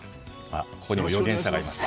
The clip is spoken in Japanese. ここにも預言者がいました。